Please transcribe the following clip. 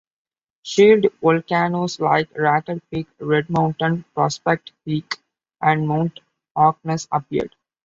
Shield volcanoes like Raker Peak, Red Mountain, Prospect Peak, and Mount Harkness appeared.